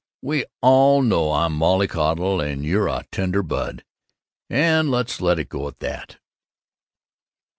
"We all know I'm a mollycoddle, and you're a tender bud, and let's let it go at that."